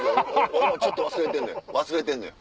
俺もちょっと忘れてんのよ。